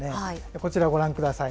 こちらご覧ください。